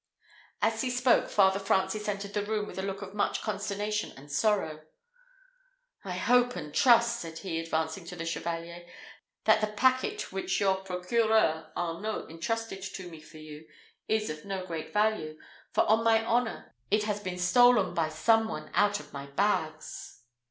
As he spoke, Father Francis entered the room with a look of much consternation and sorrow. "I hope and trust," said he, advancing to the Chevalier, "that the packet which your procureur Arnault intrusted to me for you is of no great value, for on my honour it has been stolen by some one out of my bags."